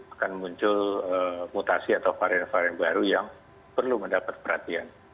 akan muncul mutasi atau varian varian baru yang perlu mendapat perhatian